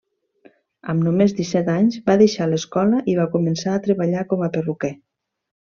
Amb només disset anys va deixar l'escola i va començar a treballar com a perruquer.